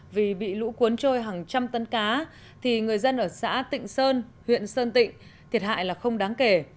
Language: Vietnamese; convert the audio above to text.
vì bị lũ cuốn trôi hàng trăm tấn cá thì người dân ở xã tịnh sơn huyện sơn tịnh thiệt hại là không đáng kể